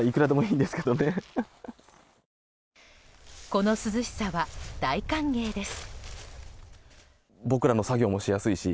この涼しさは大歓迎です。